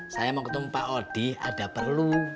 saya mau ketemu pak odi ada perlu